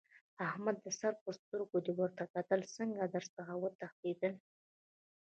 احمده! د سر په سترګو دې ورته کتل؛ څنګه در څخه وتښتېدل؟!